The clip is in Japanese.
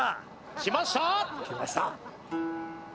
きました！